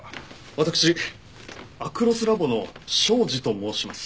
私アクロスラボの庄司と申します。